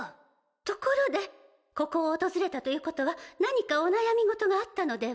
ところでここを訪れたということは何かお悩み事があったのでは？